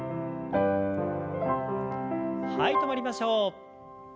はい止まりましょう。